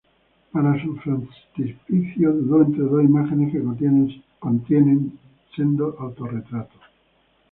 Para su frontispicio dudó entre dos imágenes que contienen sendos autorretratos.